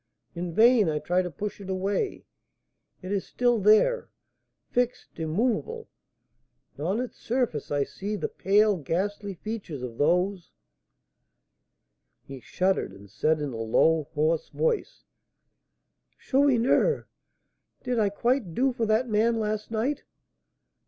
In vain I try to push it away; it is still there, fixed, immovable; and on its surface I see the pale, ghastly features of those " He shuddered, and said in a low, hoarse voice, "Chourineur, did I quite do for that man last night?"